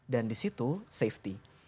dan di situ safety